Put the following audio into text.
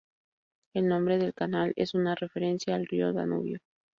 El nombre del canal es una referencia al río Danubio.